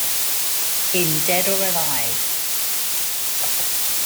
In Dead or Alive!